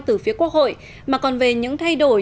từ phía quốc hội mà còn về những thay đổi